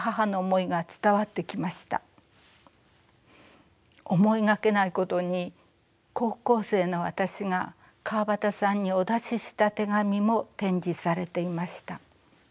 思いがけないことに高校生の私が川端さんにお出しした手紙も展示されていました。